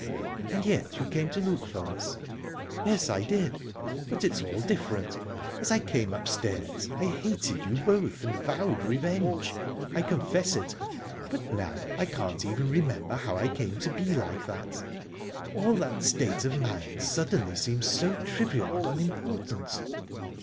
"And yet you came to look for us?" "Yes, I did; but it is all different. As I came upstairs I hated you both, and vowed revenge I confess it. But now I can't even remember how I came to be like that. All that state of mind suddenly seems so trivial and unimportant."